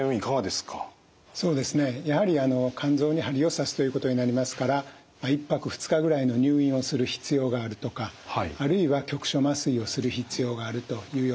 そうですねやはり肝臓に針を刺すということになりますから１泊２日ぐらいの入院をする必要があるとかあるいは局所麻酔をする必要があるというようなこともあります。